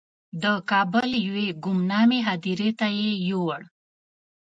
د کابل یوې ګمنامې هدیرې ته یې یووړ.